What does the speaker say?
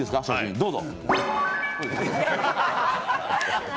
どうぞ。